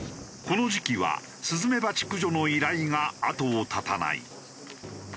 この時期はスズメバチ駆除の依頼が後を絶たない。